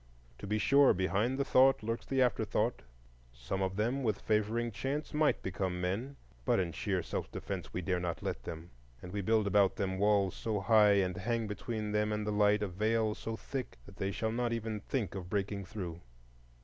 To be sure, behind the thought lurks the afterthought,—some of them with favoring chance might become men, but in sheer self defence we dare not let them, and we build about them walls so high, and hang between them and the light a veil so thick, that they shall not even think of breaking through.